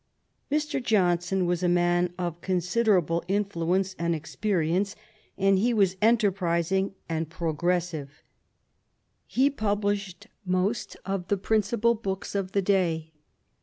Mr. Johnson was a man of considerable influence and experience, and he was enterprising and progres sive. He published most of the principal books of the day.